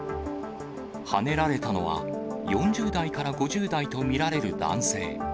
はねられたのは、４０代から５０代と見られる男性。